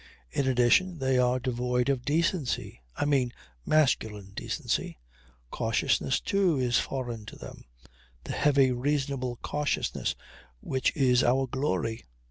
In addition they are devoid of decency. I mean masculine decency. Cautiousness too is foreign to them the heavy reasonable cautiousness which is our glory.